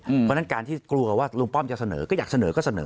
เพราะฉะนั้นการที่กลัวว่าลุงป้อมจะเสนอก็อยากเสนอก็เสนอ